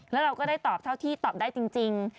แล้วเราก็ได้ตอบเท่าที่ตอบได้จริง